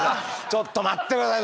ちょっと待って下さい。